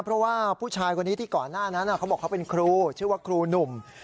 เพราะว่าผู้ชายคนนี้ที่ก่อนหน้านั้นเขาบอกเขาเป็นครูชื่อว่าครูหนุ่ม